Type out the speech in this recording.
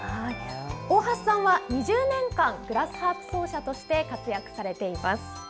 大橋さんは、２０年間グラスハープ奏者として活躍されています。